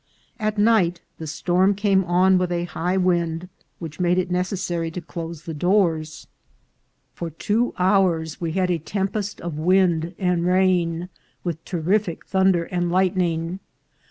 At night the storm came on with a high wind, which made it necessary to close the doors. For two VOL. II.— 3 A 370 INCIDENTS OF TRAVEL. hours we had a tempest of wind and rain, with terrific thunder and lightning.